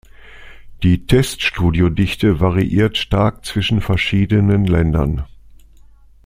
Die Teststudio-Dichte variiert stark zwischen verschiedenen Ländern.